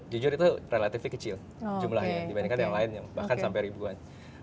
jujur itu relatif kecil jumlahnya dibandingkan yang lain yang bahkan sampai ribuan